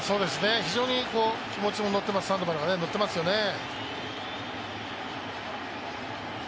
非常に気持ちもサンドバルがのってますよね。